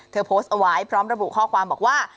โพสต์เอาไว้พร้อมระบุข้อความบอกว่า